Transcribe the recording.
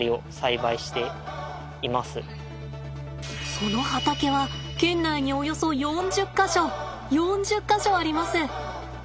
その畑は県内におよそ４０か所４０か所あります。